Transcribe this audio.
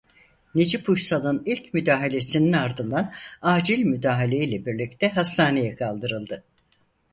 Necip Uysal'ın ilk müdahalesinin ardından acil müdahaleyle birlikte hastaneye kaldırıldı.